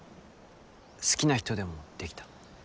好きな人でもできた？